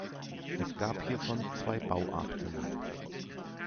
Es gab hiervon zwei Bauarten.